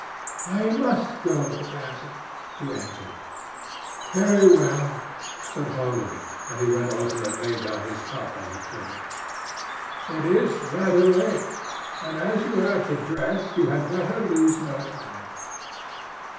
"I must go, Basil," he answered. "Very well," said Hallward, and he went over and laid down his cup on the tray. "It is rather late, and, as you have to dress, you had better lose no time.